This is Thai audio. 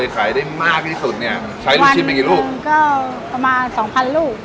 ก็ประมาณ๒๐๐๐ลูก